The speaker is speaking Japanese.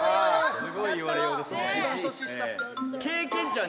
すごい言われようですね。